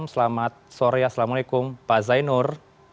selamat sore assalamualaikum pak zainur